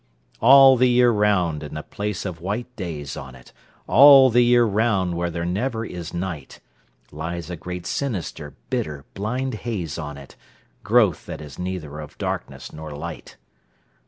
All the year round, in the place of white days on it—All the year round where there never is night—Lies a great sinister, bitter, blind haze on it:Growth that is neither of darkness nor light!